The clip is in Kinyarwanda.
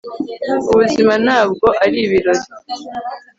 ubuzima, ntabwo ari ibirori